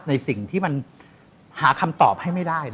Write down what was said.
ในสิ่งที่มันหาคำตอบให้ไม่ได้